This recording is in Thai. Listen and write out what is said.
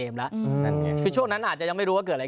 ไปไหนดิ